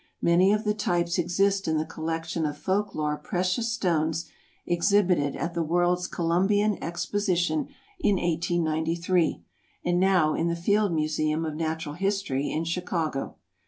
Many of the types exist in the collection of folk lore precious stones exhibited at the World's Columbian Exposition in 1893, and now in the Field Museum of Natural History in Chicago.